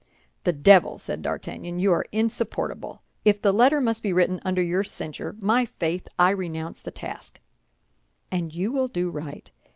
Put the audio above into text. "The devil!" said D'Artagnan, "you are insupportable. If the letter must be written under your censure, my faith, I renounce the task." "And you will do right.